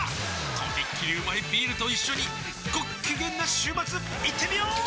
とびっきりうまいビールと一緒にごっきげんな週末いってみよー！